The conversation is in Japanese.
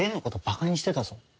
バカにしてたぞ。